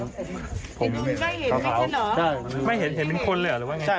ผมไม่เห็นขาวเหรอใช่ไม่เห็นเห็นเป็นคนเลยหรือว่าไงใช่